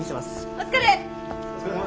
お疲れ。